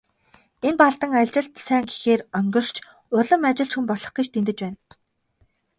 Энэ Балдан ажилд сайн гэхээр онгирч, улам ажилч хүн болох гэж дэндэж байна.